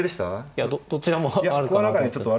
いやどちらもあるかなと。